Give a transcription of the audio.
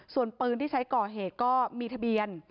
ส่วนปืนที่ใช้ก่อเหตุก็มีทะเบียน